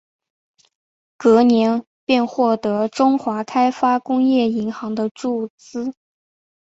隔年便获得中华开发工业银行的注资。